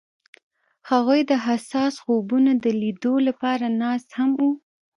هغوی د حساس خوبونو د لیدلو لپاره ناست هم وو.